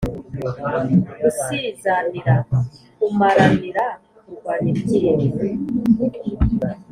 gusizanira: kumaranira, kurwanira ikintu